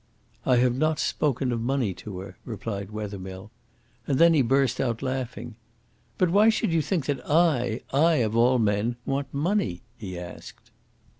"I have not spoken of money to her," replied Wethermill; and then he burst out laughing. "But why should you think that I I, of all men want money?" he asked.